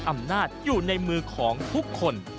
อำนาจอยู่ในมือของทุกคน